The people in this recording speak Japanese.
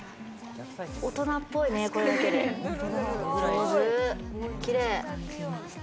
大人っぽいね、これだけで。